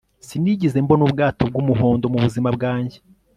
Sinigeze mbona ubwato bwumuhondo mubuzima bwanjye